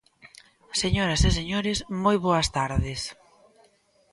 Señoras e señores, moi boas tardes.